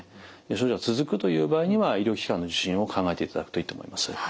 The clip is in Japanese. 症状が続くという場合には医療機関の受診を考えていただくといいと思います。